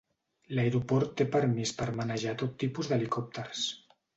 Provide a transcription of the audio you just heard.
L'aeroport té permís per manejar tot tipus d'helicòpters.